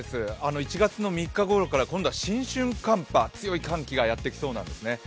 １月の３日ごろから、今度新春寒波、強い寒気がやってきそうなんですね。